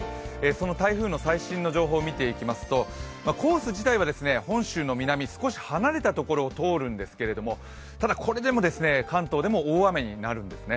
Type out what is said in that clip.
その台風の最新の情報を見ていきますとコース自体は本州の南、少し離れたところを通るんですがただこれでも関東でも大雨になるんですね。